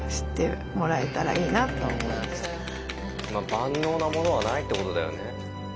万能なものはないってことだよね。